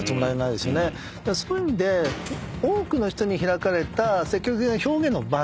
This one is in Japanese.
そういう意味で多くの人に開かれた積極的な表現の場所？